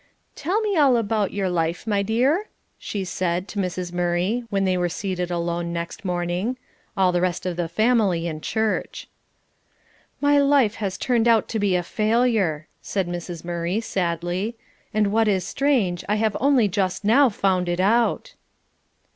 "Tell me all about your life, my dear," she said to Mrs. Murray, when they were seated alone the next morning all the rest of the family in church. "My life has turned out to be a failure," said Mrs. Murray, sadly. "And what is strange, I have only just now found it out."